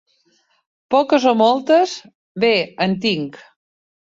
Poques o moltes, bé en tinc.